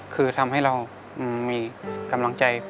คือทำให้เรามีกำลังใจ